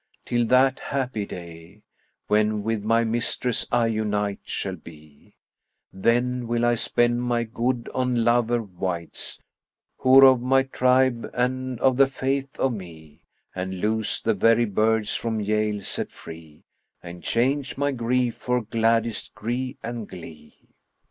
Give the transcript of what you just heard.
till that happy day * When with my mistress I unite shall be: Then will I spend my good on lover wights, * Who're of my tribe and of the faith of me; And loose the very birds from jail set free, * And change my grief for gladdest gree and glee!'"